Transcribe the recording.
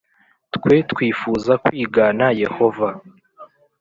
Twe twifuza kwigana Yehova